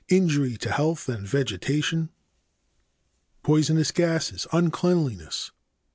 Injury to health and vegetation. Poisonous gases. Uncleanliness.